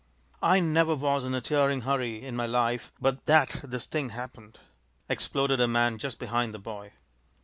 "I never was in a tearing hurry in my life but that this thing happened!" exploded a man just behind the boy.